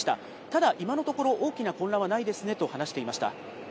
ただ、今のところ、大きな混乱はないですねと話していました。